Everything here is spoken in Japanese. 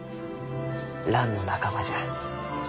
ランの仲間じゃ。